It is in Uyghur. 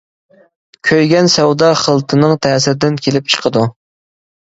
كۆيگەن سەۋدا خىلىتىنىڭ تەسىردىن كېلىپ چىقىدۇ.